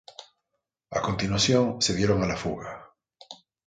A continuación se dieron a la fuga.